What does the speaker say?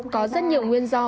có rất nhiều nguyên do